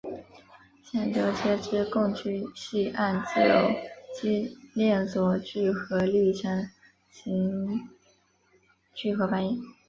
橡胶接枝共聚系按自由基链锁聚合历程进行聚合反应。